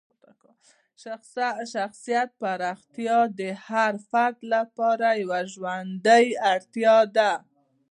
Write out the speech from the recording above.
شخصیت پراختیا د هر فرد لپاره یوه ژوندۍ اړتیا ده.